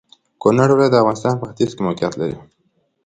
کونړ ولايت د افغانستان په ختيځ کې موقيعت لري.